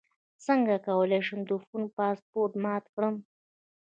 څنګه کولی شم د فون پاسورډ مات کړم